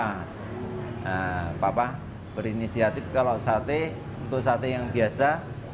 nah papa berinisiatif kalau sate untuk sate yang biasa